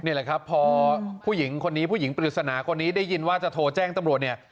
นี่แหละครับพอผู้หญิงคนนี้ผู้หญิงปริศนาคนนี้ได้ยินว่าจะโทรแจ้งตำรวจเนี่ย